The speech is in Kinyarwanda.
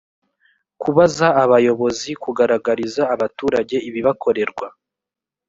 kubaza abayobozi kugaragariza abaturage ibibakorerwa